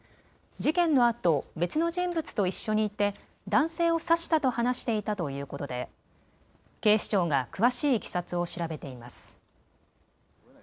事件のあと別の人物と一緒にいて男性を刺したと話していたということで警視庁が詳しいいきさつを調べています。